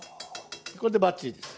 これでバッチリです。